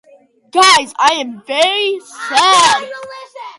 I am sad.